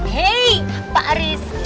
hei pak rizky